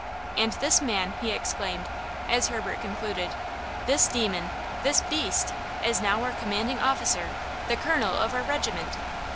"And this man," he exclaimed, as Herbert concluded; "this demon! this beast! is now our commanding officer–the colonel of our regiment."